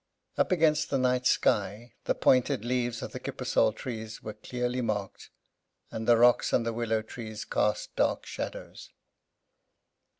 Up, against the night sky the pointed leaves of the kippersol trees were clearly marked, and the rocks and the willow trees cast dark shadows.